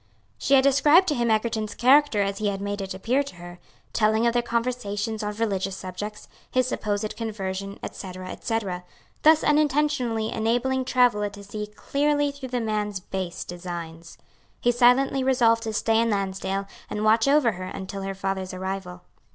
She had described to him Egerton's character as he had made it appear to her, telling of their conversations on religious subjects, his supposed conversion, etc., etc.; thus unintentionally enabling Travilla to see clearly through the man's base designs. He silently resolved to stay in Lansdale and watch over her until her father's arrival.